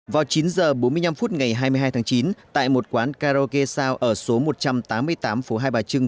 vào chín h bốn mươi năm phút ngày hai mươi hai tháng chín tại một quán karaoke sao ở số một trăm tám mươi tám phố hai bà trưng